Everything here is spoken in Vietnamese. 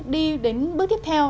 đi đến bước tiếp theo